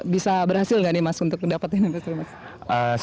bisa berhasil nggak nih mas untuk mendapatkan investasi mas